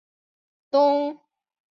东部大猩猩是白天活动及草食性的。